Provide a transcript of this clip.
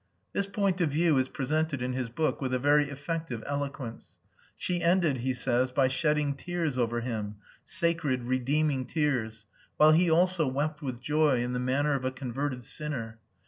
This point of view is presented in his book, with a very effective eloquence. She ended, he says, by shedding tears over him, sacred, redeeming tears, while he also wept with joy in the manner of a converted sinner.